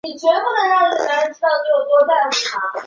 平壤民俗公园内有主体思想塔的微缩复制品。